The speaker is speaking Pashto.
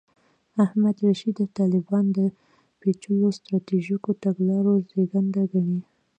احمد رشید طالبان د پېچلو سټراټیژیکو تګلارو زېږنده ګڼي.